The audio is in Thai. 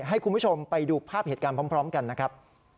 ให้คุณผู้ชมไปดูภาพเหตุการณ์พร้อมกันนะครับ